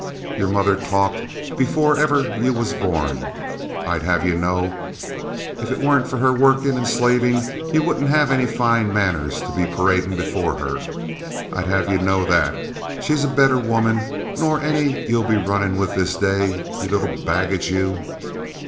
"Your mother talked before ever you was born, I'd have you know. If it weren't for her workin' and slavin' you wouldn't have any fine manners to be paradin' before her. I'd have you know that. She's a better woman nor any you'll be runnin' with this day, you little baggage, you!"